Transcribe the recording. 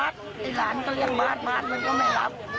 ที่แรกพอโทรมาที่๒ก็รับ